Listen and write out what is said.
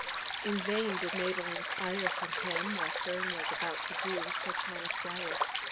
In vain did Mabel inquire from him what Herne was about to do with Sir Thomas Wyat.